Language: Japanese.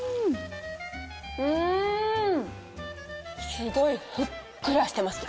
すごいふっくらしてますね。